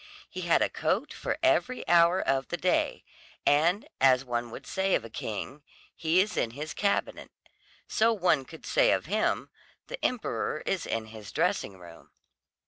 He had a coat for every hour of the day; and as one would say of a king "He is in his cabinet," so one could say of him, "The emperor is in his dressing room."